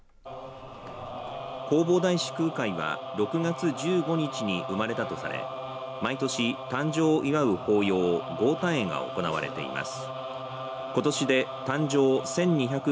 弘法大師・空海が６月１５日に生まれたとされ毎年、誕生を祝う法要が行われています